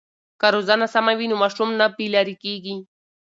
که روزنه سمه وي نو ماشوم نه بې لارې کېږي.